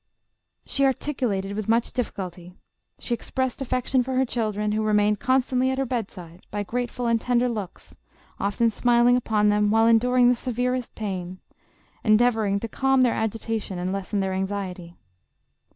She articulated with much difficulty. She expressed affec tion for her children, who remained constantly at her bedside, by grateful and tender looks, often smiling upon them while enduring the severest pain, endeavor ing to calm their agitation and lessen their anxiety.